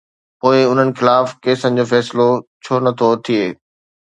پوءِ انهن خلاف ڪيسن جو فيصلو ڇو نه ٿو ٿئي؟